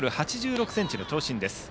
１ｍ８６ｃｍの長身です。